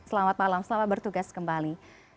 selamat malam selamat bertugas kembali